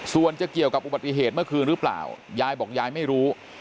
ส่วนจะเกี่ยวกับอุบัติเหตุเมื่อคืนหรือเปล่ายายบอกยายไม่รู้